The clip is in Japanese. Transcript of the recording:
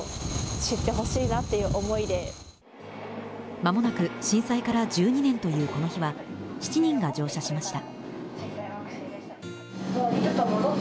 間もなく震災から１２年というこの日は７人が乗車しました。